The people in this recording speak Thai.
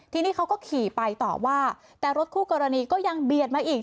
ทีนี้เขาก็ขี่ไปต่อว่าแต่รถคู่กรณีก็ยังเบียดมาอีก